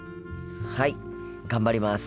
はい頑張ります。